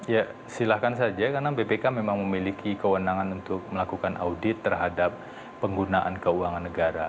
ya silahkan saja karena bpk memang memiliki kewenangan untuk melakukan audit terhadap penggunaan keuangan negara